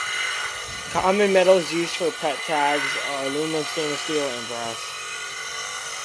Common metals used for pet tags are aluminum, stainless steel, and brass.